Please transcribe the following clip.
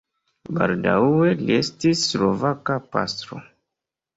Baldaŭe li estis slovaka pastro.